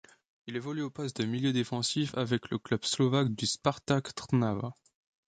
Il évolue au poste de milieu défensif avec le club slovaque du Spartak Trnava.